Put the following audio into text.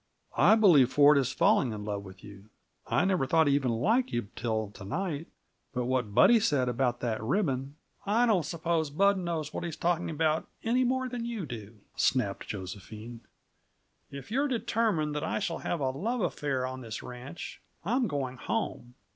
I believe Ford is falling in love with you. I never thought he even liked you till to night, but what Buddy said about that ribbon " "I don't suppose Bud knows what he's talking about any more than you do," snapped Josephine. "If you're determined that I shall have a love affair on this ranch, I'm going home."